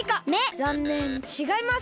ざんねんちがいます。